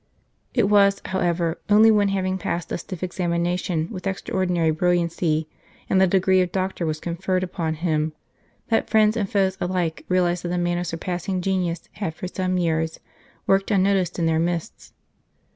It was, however, only when, having passed a stiff examination with extraordinary brilliancy, and the degree of Doctor was conferred upon him, that 7 St. Charles Borromeo friends and foes alike realized that a man of surpassing genius had for some years worked unnoticed in their midst.